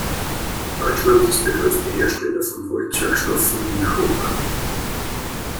Deutschland ist der größte Hersteller von Holzwerkstoffen in Europa.